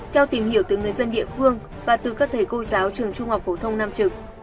theo tìm hiểu từ người dân địa phương và từ các thầy cô giáo trường trung học phổ thông nam trực